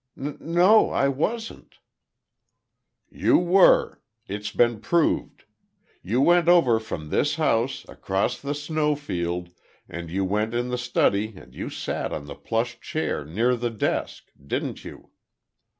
"N—no, I wasn't." "You were! It's been proved. You went over from this house, across the snow field, and you went in the study and you sat on the plush chair, near the desk. Didn't you?"